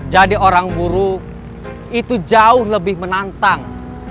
jadi orang buruk itu jauh lebih menantang